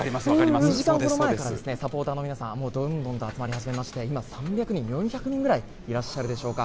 ２時間ほど前からサポーターの皆さん、どんどんと集まり始めまして、今、３００人、４００人くらい、いらっしゃるでしょうか。